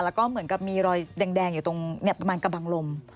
แล้วก็เหมือนกับมีรอยแดงอยู่ตรงประมาณกระบังลม